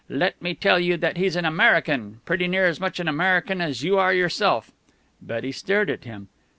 Let me tell you that he's an American pretty near as much an American as you are yourself." Betty stared at him.